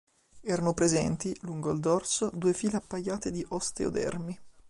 Erano presenti, lungo il dorso, due file appaiate di osteodermi.